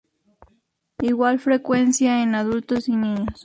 Igual frecuencia en adultos y niños.